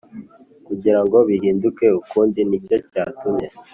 kugira ngo bihinduke ukundi Ni cyo cyatumye